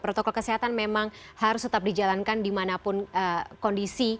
protokol kesehatan memang harus tetap dijalankan dimanapun kondisi